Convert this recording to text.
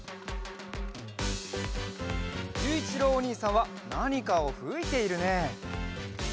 ゆういちろうおにいさんはなにかをふいているね。